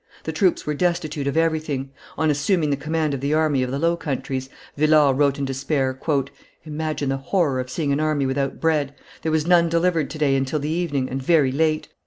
The troops were destitute of everything. On assuming the command of the army of the Low Countries, Villars wrote in despair, "Imagine the horror of seeing an army without bread! There was none delivered to day until the evening, and very late.